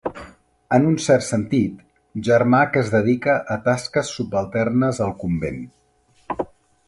En un cert sentit, germà que es dedica a tasques subalternes al convent.